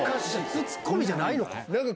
ツッコミじゃないのか。